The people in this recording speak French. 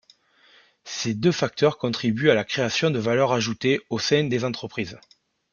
Ces deux facteurs contribuent à la création de valeur ajoutée au sein des entreprises.